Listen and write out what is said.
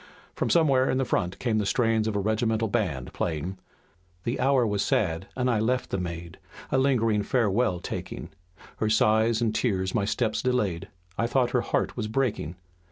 From somewhere in front came the strains of a regimental band playing: "The hour was sad, I left the maid, A lingering farewell taking, Her sighs and tears my steps delayed, I thought her heart was breaking.